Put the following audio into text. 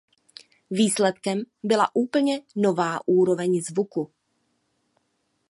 Výsledkem byla úplně nová úroveň zvuku.